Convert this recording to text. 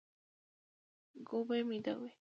ګوبی ميده وي.